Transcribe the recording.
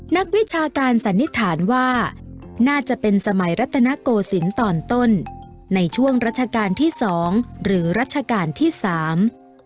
นักวิชาการสันนิษฐานว่าน่าจะเป็นสมัยรัตนโกศิลป์ตอนต้นในช่วงรัชกาลที่สองหรือรัชกาลที่สาม